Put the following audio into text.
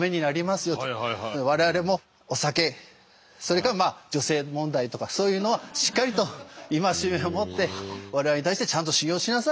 我々もお酒それから女性問題とかそういうのはしっかりと戒めを持って我々に対してちゃんと修行しなさいという。